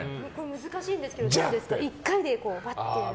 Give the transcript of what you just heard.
難しいんですけど、どうですか１回で、バッていう。